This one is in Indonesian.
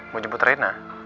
mau jemput reina